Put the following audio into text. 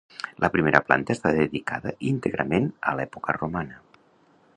La primera planta està dedicada íntegrament a l'època romana.